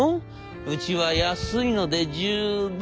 うちは安いので十分」。